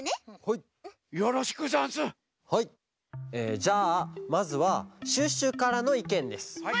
じゃあまずはシュッシュからのいけんです。